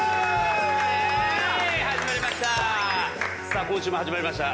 さあ今週も始まりました。